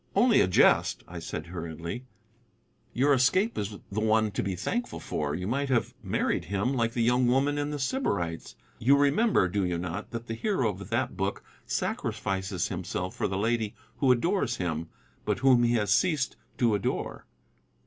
"Only a jest," I said hurriedly; "your escape is the one to be thankful for. You might have married him, like the young woman in The Sybarites. You remember, do you not, that the hero of that book sacrifices himself for the lady who adores him, but whom he has ceased to adore?"